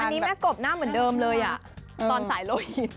อันนี้แม่กบหน้าเหมือนเดิมเลยอ่ะตอนสายลุย